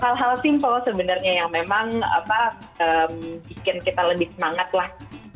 jadi hal hal simple sebenarnya yang memang bikin kita lebih semangat lah